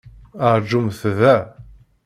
Rǧumt da!